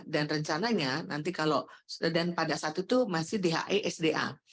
dan rencananya nanti kalau dan pada saat itu masih dhe sda